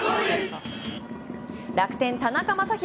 楽天、田中将大